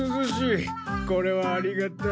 これはありがたい。